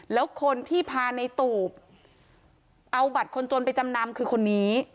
แล้วคนที่พาในตูบเอาบัตรคนจนไปจำนำคือคนนี้